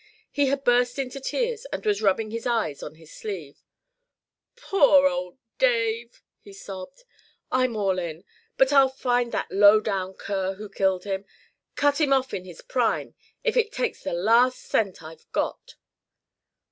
He had burst into tears and was rubbing his eyes on his sleeve. "Poor old Dave!" he sobbed. "I'm all in. But I'll find that low down cur who killed him, cut him off in his prime, if it takes the last cent I've got."